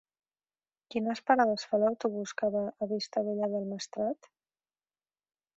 Quines parades fa l'autobús que va a Vistabella del Maestrat?